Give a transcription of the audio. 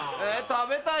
食べたい。